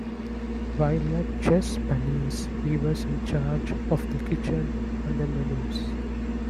While at Chez Panisse he was in charge of the kitchen and the menus.